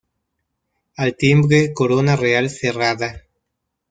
Al timbre Corona Real Cerrada.